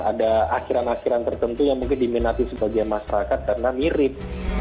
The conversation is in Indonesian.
ada akhiran akhiran tertentu yang mungkin diminati sebagian masyarakat karena mirip